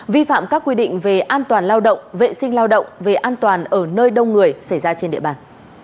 vi phạm các quy định về an toàn lao động vệ sinh lao động về an toàn ở nơi đông người xảy ra trên địa bàn